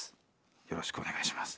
よろしくお願いします。